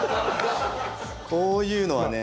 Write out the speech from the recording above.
こういうのはね。